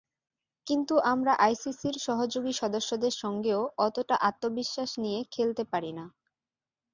কিন্তু আমরা আইসিসির সহযোগী সদস্যদের সঙ্গেও অতটা আত্মবিশ্বাস নিয়ে খেলতে পারি না।